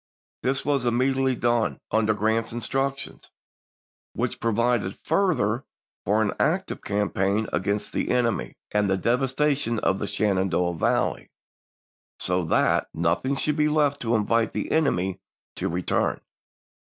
This chap.vii. was immediately done, under Grant's instructions, which provided further for an active campaign against the enemy, and the devastation of the Shenandoah Valley, so that "nothing should be left to invite the enemy to return.